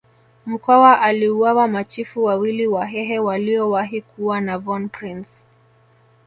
Mkwawa aliwaua machifu wawili wahehe waliowahi kukaa na von Prince